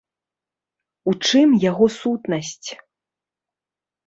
У чым яго сутнасць?